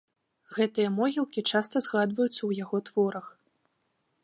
Гэтыя могілкі часта згадваюцца ў яго творах.